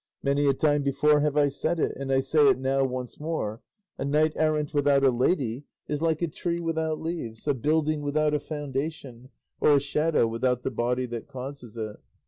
Many a time before have I said it, and I say it now once more, a knight errant without a lady is like a tree without leaves, a building without a foundation, or a shadow without the body that causes it."